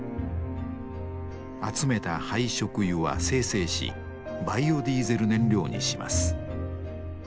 集めた廃食油は精製しバイオディーゼル燃料にします。